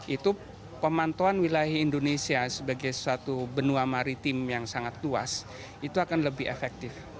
itu pemantauan wilayah indonesia sebagai suatu benua maritim yang sangat luas itu akan lebih efektif